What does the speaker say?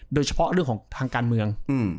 โดยเฉพาะเรื่องของทางการเมือง